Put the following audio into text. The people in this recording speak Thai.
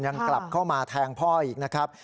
กลับเข้ามาแทงพ่ออีกนะครับ